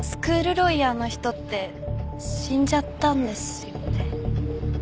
ロイヤーの人って死んじゃったんですよね？